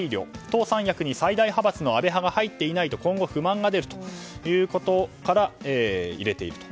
党三役に最大派閥の安倍派が入っていないと、今後不満が出るということから入れていると。